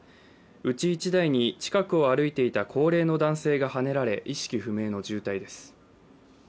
うち１台に近くを歩いていた高齢の男性がはねられ意識不明の重体です。